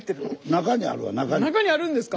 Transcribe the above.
中にあるんですか？